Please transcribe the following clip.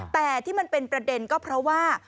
แต่ที่มันเป็นประเด็นก็เพราะว่า